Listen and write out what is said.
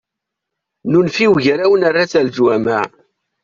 Nunef i wegraw nerra-tt ar leǧwameɛ.